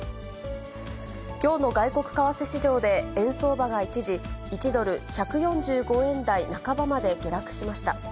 きょうの外国為替市場で円相場が一時、１ドル１４５円台半ばまで下落しました。